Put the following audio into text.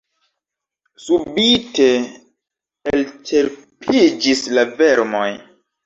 Subite elĉerpiĝis la vermoj.